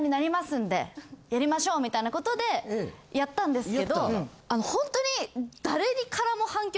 「やりましょう」みたいなことでやったんですけどホントに。